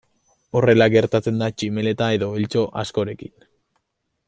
Horrela gertatzen da tximeleta edo eltxo askorekin.